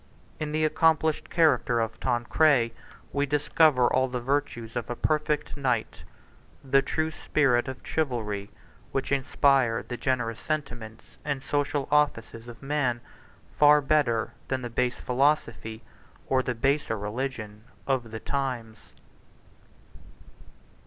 In the accomplished character of Tancred we discover all the virtues of a perfect knight, 54 the true spirit of chivalry, which inspired the generous sentiments and social offices of man far better than the base philosophy, or the baser religion, of the times.